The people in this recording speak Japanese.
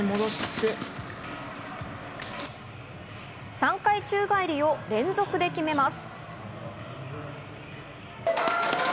３回宙返りを連続で決めます。